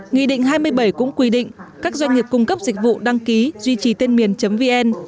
nghị định hai mươi bảy cũng quy định các doanh nghiệp cung cấp dịch vụ đăng ký duy trì tên miền vn